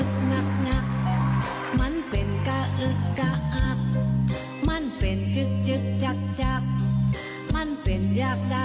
ต้องต้องต้องต้องต้องต้องต้อง